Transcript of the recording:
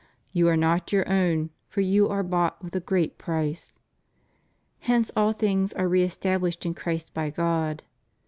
You are not your own, for you are bought with a great price? Hence all things are re estab lished in Christ by God.